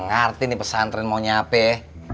gak ngerti nih pesantren mau nyapih